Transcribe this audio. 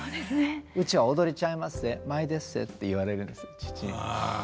「うちは踊りちゃいまっせ舞でっせ」って言われるんです父に。